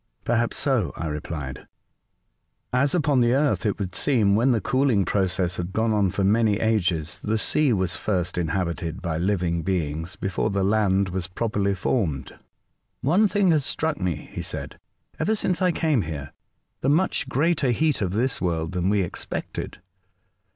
"Perhaps so," I replied, '* as upon the Earth it would seem, when the cooling process had gone on for many ages, the sea was first inhabited by living beings, before the land was properly formed." '' One thing has struck me," he said, '^ ever since I came here, — the much greater heat of this world than we expected.